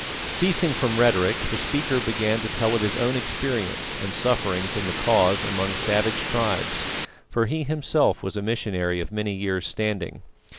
Ceasing from rhetoric, the speaker began to tell of his own experience and sufferings in the Cause amongst savage tribes; for he himself was a missionary of many years standing.